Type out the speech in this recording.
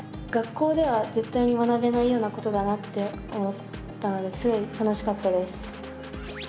学校では絶対に学べないようなことだなって思ったのですごい楽しかったです。